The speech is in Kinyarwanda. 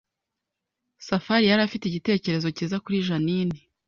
Safari yari afite igitekerezo cyiza kuri Jeaninne